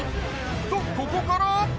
とここから。